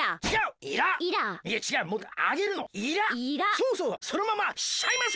そうそうそのまま「しゃいませ」。